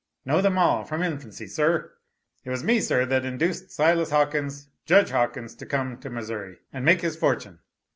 "Know them all, from infancy, sir. It was me, sir, that induced Silas Hawkins, Judge Hawkins, to come to Missouri, and make his fortune.